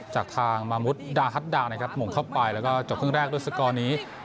จากทางมะมุดดาฮัทดานะครับหมงเข้าไปแล้วก็จบขึ้นแรกรวรศกรณี